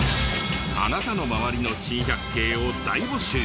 あなたの周りの珍百景を大募集。